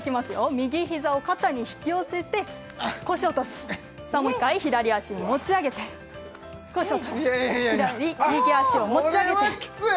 右膝を肩に引き寄せて腰を落とすさあもう１回左足を持ち上げて腰を落とす右足を持ち上げてこれはきつい！